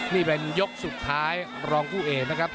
นี่เป็นยกสุดท้ายรองผู้เอกนะครับ